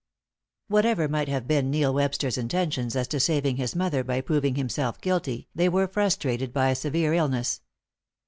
Whatever might have been Neil Webster's intentions as to saving his mother by proving himself guilty, they were frustrated by a severe illness.